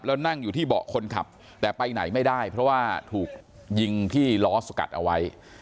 แล้วนั่งอยู่ที่เบาะคนขับแต่ไปไหนไม่ได้เพราะว่าถูกยิงที่ล้อสกัดเอาไว้